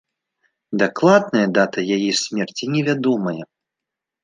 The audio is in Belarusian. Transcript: Дакладная дата яе смерці невядомая.